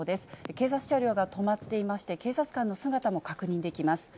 警察車両が止まっていまして、警察官の姿も確認できます。